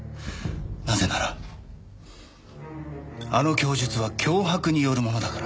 なぜならあの供述は脅迫によるものだからね。